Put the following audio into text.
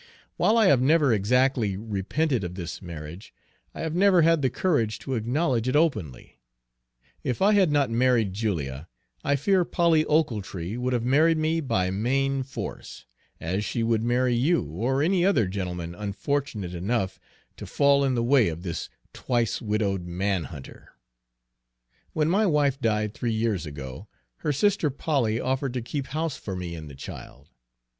While I have never exactly repented of this marriage, I have never had the courage to acknowledge it openly. If I had not married Julia, I fear Polly Ochiltree would have married me by main force, as she would marry you or any other gentleman unfortunate enough to fall in the way of this twice widowed man hunter. When my wife died, three years ago, her sister Polly offered to keep house for me and the child.